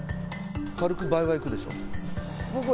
軽く倍はいくでしょう。